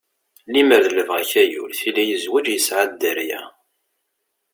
Limer d libɣi-k ayul, tili yezweǧ yesɛa dderya.